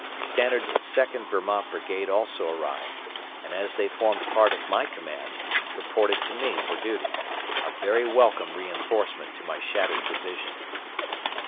Stannard's Second Vermont brigade also arrived, and as they formed part of my command, reported to me for duty; a very welcome reinforcement to my shattered division.